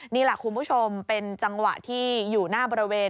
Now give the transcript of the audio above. นี่แหละคุณผู้ชมเป็นจังหวะที่อยู่หน้าบริเวณ